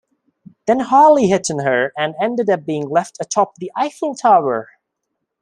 Then Harley hit on her and ended up being left atop the Eiffel Tower.